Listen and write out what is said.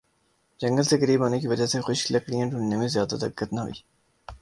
جنگل سے قریب ہونے کی وجہ سے خشک لکڑیاں ڈھونڈنے میں زیادہ دقت نہ ہوئی